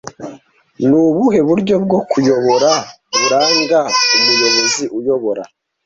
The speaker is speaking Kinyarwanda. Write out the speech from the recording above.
Ni ubuhe buryo bwo kuyobora buranga umuyobozi uyobora